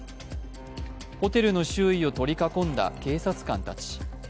ホテルの周囲を取り囲んだ警察官たち。